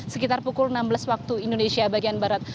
sekitar pukul enam belas waktu indonesia bagian barat